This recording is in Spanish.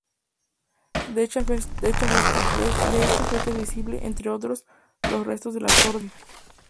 De esta fecha es visible, entre otros, los restos la torre del homenaje.